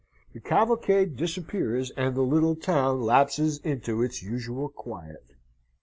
The cavalcade disappears, and the little town lapses into its usual quiet.